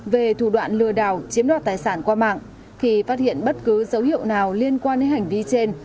về thủ đoạn lừa đảo chiếm đoạt tài sản qua mạng khi phát hiện bất cứ dấu hiệu nào liên quan đến hành vi trên